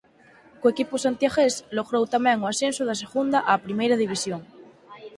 Co equipo santiagués logrou tamén o ascenso da Segunda á Primeira división.